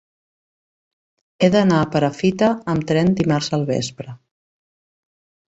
He d'anar a Perafita amb tren dimarts al vespre.